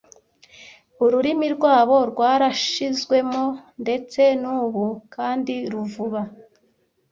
Ururimi rwabo rwarashizwemo, ndetse n'ubu, kandi ruvuba